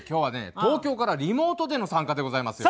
東京からリモートでの参加でございますよ。